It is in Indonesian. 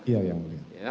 iya yang mulia